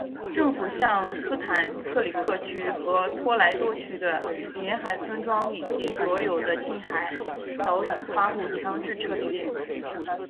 政府向斯坦克里克区和托莱多区的沿海村庄以及所有的近海岛屿发布强制撤离令。